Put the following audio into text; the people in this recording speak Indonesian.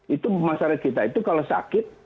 itu masyarakat kita itu kalau sakit